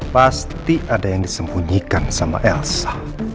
pasti ada yang disembunyikan sama elsa